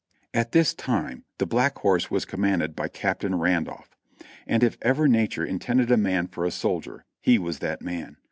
At this time the Black Horse was commanded by Captain Ran dolph ; and if ever nature intended a man for a soldier, he was that man.